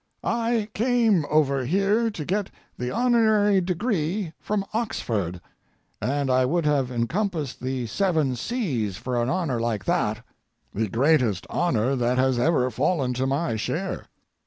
I came over here to get the honorary degree from Oxford, and I would have encompassed the seven seas for an honor like that—the greatest honor that has ever fallen to my share.